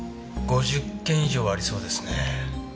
５０軒以上はありそうですね。